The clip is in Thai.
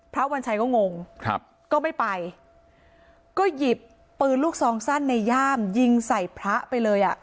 วัญชัยก็งงครับก็ไม่ไปก็หยิบปืนลูกซองสั้นในย่ามยิงใส่พระไปเลยอ่ะ